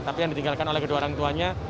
tapi yang ditinggalkan oleh kedua orang tuanya